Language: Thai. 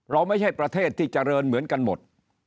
ไม่ใช่ประเทศที่เจริญเหมือนกันหมด